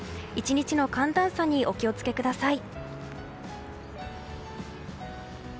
１日の寒暖差にお気を付けください。